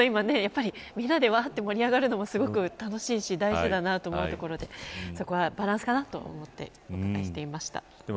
みんなでわーっと盛り上がるのも楽しいし大事だなと思うところでそこはバランスかなと思っています。